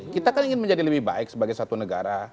kita kan ingin menjadi lebih baik sebagai satu negara